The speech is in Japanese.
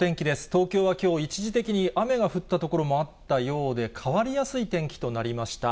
東京はきょう、一時的に雨が降った所もあったようで、変わりやすい天気となりました。